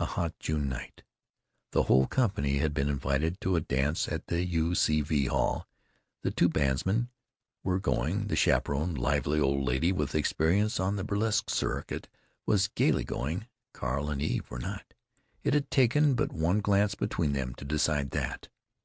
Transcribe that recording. A hot June night. The whole company had been invited to a dance at the U. C. V. Hall; the two bandsmen were going; the chaperon—lively old lady with experience on the burlesque circuit—was gaily going. Carl and Eve were not. It had taken but one glance between them to decide that.